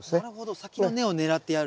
先の根を狙ってやる。